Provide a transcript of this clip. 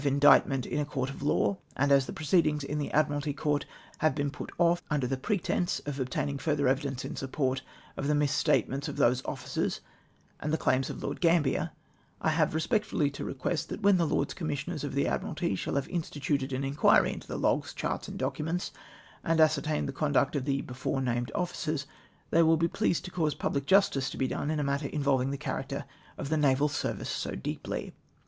11 indictment in a court of law, and as the proceedings in the Admiralty Court have been put off under tlie pretence of obtaining further evidence in support of the mis statements of these officers and the claim of Lord Gambier, I have respectfully to request that when the Lords Commissioners of the Admiralty shall have instituted an inquiry into the logs, charts, and documents, and ascertained the conduct of the before named officers, they will be pleased to cause public justice to be done in a matter involving the character of the naval service so deeply.